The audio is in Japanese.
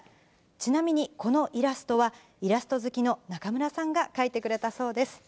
ちなみにこのイラストは、イラスト好きの中村さんが描いてくれたそうです。